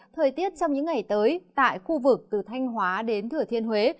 thời tiết trong những ngày tới tại khu vực từ thanh hóa đến thừa thiên huế